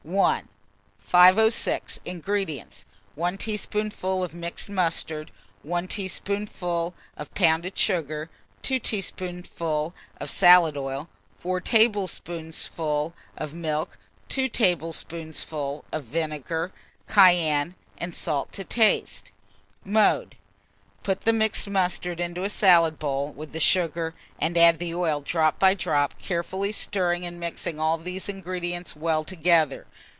I. 506. INGREDIENTS. 1 teaspoonful of mixed mustard, 1 teaspoonful of pounded sugar, 2 tablespoonfuls of salad oil, 4 tablespoonfuls of milk, 2 tablespoonfuls of vinegar, cayenne and salt to taste. Mode. Put the mixed mustard into a salad bowl with the sugar, and add the oil drop by drop, carefully stirring and mixing all these ingredients well together.